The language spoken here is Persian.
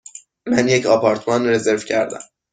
من یک آپارتمان رزرو کردم.